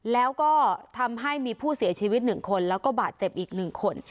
แล้วก็ทำให้มีผู้เสียชีวิต๑คนแล้วก็บาดเจ็บอีก๑คน